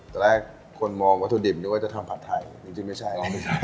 ตอนแรกคนมองวัตถุดิบนึกว่าจะทำผัดไทยจริงไม่ใช่